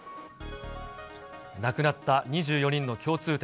亡くなった２４人の共通点。